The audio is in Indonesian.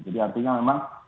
jadi artinya memang